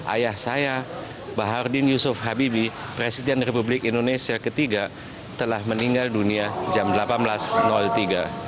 ayah saya b j habibie presiden republik indonesia ketiga telah meninggal dunia jam delapan belas tiga wib